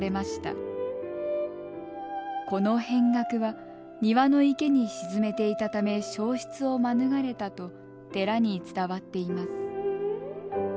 この扁額は庭の池に沈めていたため焼失を免れたと寺に伝わっています。